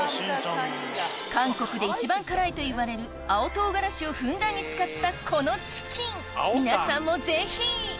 韓国で一番辛いといわれる青唐辛子をふんだんに使ったこのチキン皆さんもぜひ！